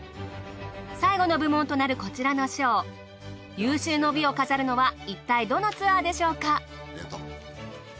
最後の部門となるこちらの賞有終の美を飾るのはいったいどのツアーでしょうか？